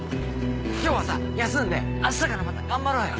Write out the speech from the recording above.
今日はさ休んで明日からまた頑張ろうよ。